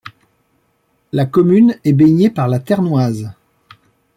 La commune est baignée par la Ternoise.